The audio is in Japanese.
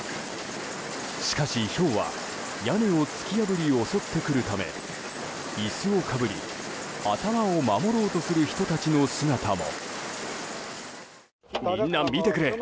しかし、ひょうは屋根を突き破り襲ってくるため椅子をかぶり頭を守ろうとする人たちの姿も。